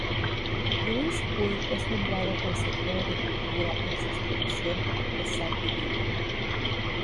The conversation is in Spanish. Lluís Puig es nombrado consejero de cultura en sustitución de Santi Vila.